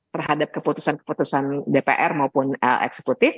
terhadap keputusan keputusan dpr maupun eksekutif